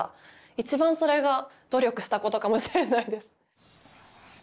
一番それが努力したことかもしれないです。